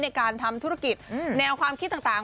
ในการทำธุรกิจแนวความคิดต่าง